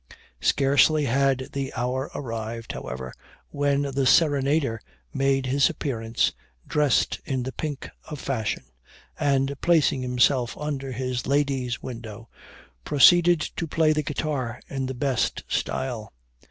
Scarcely had the hour arrived, however, when the serenader made his appearance, dressed in the pink of fashion; and, placing himself under his lady's window, proceeded to play the guitar in the best style.